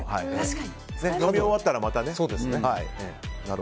飲み終わったらまたね。